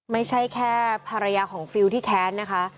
ไม่ใช่แค่ภรรยาของฟิลที่แค้นนะคะ